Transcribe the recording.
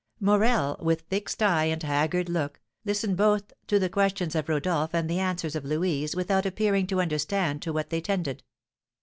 Morel, with fixed eye and haggard look, listened both to the questions of Rodolph and the answers of Louise without appearing to understand to what they tended.